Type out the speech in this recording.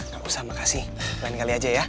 gak usah makasih lain kali aja ya